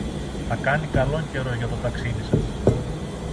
Θα κάνει καλόν καιρό για το ταξίδι σας.